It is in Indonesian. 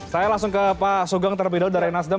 saya langsung ke pak sogang terlebih dahulu dari mas dem